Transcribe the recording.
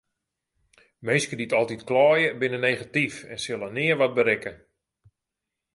Minsken dy't altyd kleie binne negatyf en sille nea wat berikke.